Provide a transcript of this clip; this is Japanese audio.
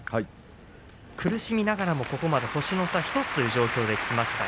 苦しみながらもここまで星の差１つにしてきました。